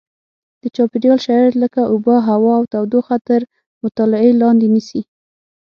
د چاپېریال شرایط لکه اوبه هوا او تودوخه تر مطالعې لاندې نیسي.